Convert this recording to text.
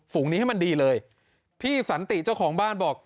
ฝูงนี้ให้มันดีเลยพี่สันติเจ้าของบ้านบอก